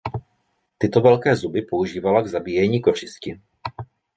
Tyto velké zuby používala k zabíjení kořisti.